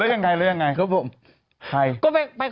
แล้วยังไง